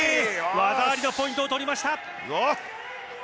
技ありのポイントを取りました。